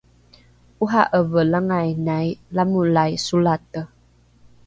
ora’eve langainai lamolai solate